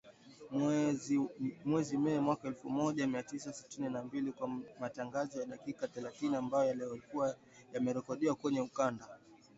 Mwezi Mei mwaka elfu moja mia tisa sitini na mbili kwa matangazo ya dakika thelathini ambayo yalikuwa yamerekodiwa kwenye ukanda